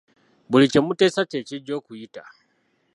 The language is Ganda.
Buli kye muteesa kye kijja okuyita.